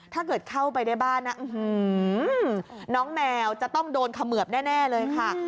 เข้าไปในบ้านนะน้องแมวจะต้องโดนเขมือบแน่เลยค่ะ